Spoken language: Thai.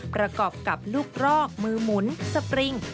ประกอบกับลูกรอกมือหมุนสปริง